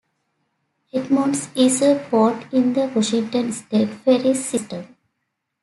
Edmonds is a port in the Washington State Ferries system.